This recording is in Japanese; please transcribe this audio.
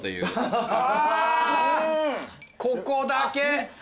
あここだけ。